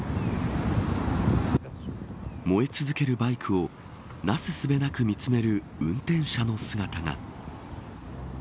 燃え続けるバイクをなすすべなく見つめる運転者の姿が。